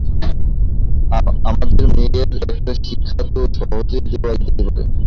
আমাদের মেয়েদের একটা শিক্ষা তো সহজেই দেওয়া যেতে পারে।